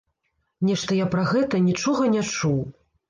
Нешта я пра гэта нічога не чуў.